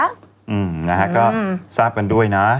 อืมนะฮะก็ทราบกันด้วยนะ